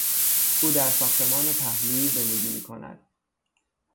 او در ساختمان پهلویی زندگی میکند.